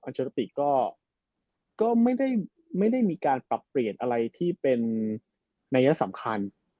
เชอรติก็ไม่ได้มีการปรับเปลี่ยนอะไรที่เป็นนัยสำคัญ